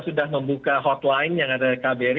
sudah membuka hotline yang ada kbr